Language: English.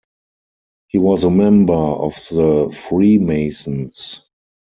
He was a member of the Freemasons.